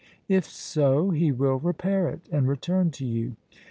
If so, he will repair it and return to you.